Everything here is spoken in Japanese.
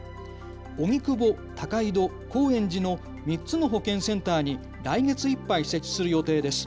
荻窪、高井戸、高円寺の３つの保健センターに来月いっぱい設置する予定です。